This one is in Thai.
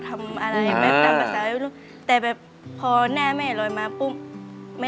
กระแซะเข้ามาสิ